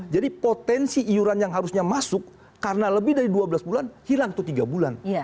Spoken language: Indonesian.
jadi potensi iuran yang harusnya masuk karena lebih dari dua belas bulan hilang tuh tiga bulan